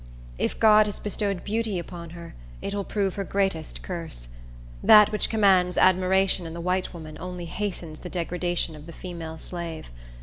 If God has bestowed beauty upon her, it will prove her greatest curse. That which commands admiration in the white woman only hastens the degradation of the female slave.